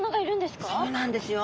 そうなんですよ。